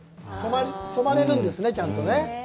染まれるんですね、ちゃんとね。